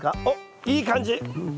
おっいい感じ！